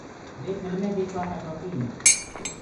وي ڦڪلمي ديکوآ ڪآ شوڪيٚن هينٚ۔